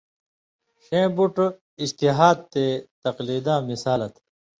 ݜیں بُٹ اِجتہاد تے تقلیداں مِثالہ تھہ۔